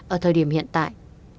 ở thời điểm hiện tại